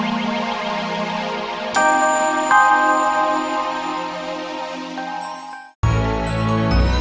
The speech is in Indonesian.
jatuh sampai ketemu kita